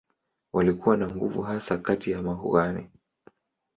Walikuwa na nguvu hasa kati ya makuhani.